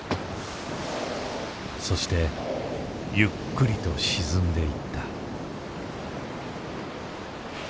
そしてゆっくりと沈んでいった。